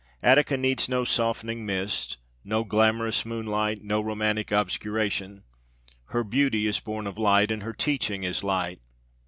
Attica needs no softening mist, no glamorous moonlight, no romantic obscuration. Her beauty is born of light and her teaching is light.